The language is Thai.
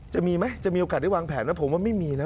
จะมีไหมแล้วมีโอกาสได้วางแผนหรือเปล่าผมว่าไม่มีนะ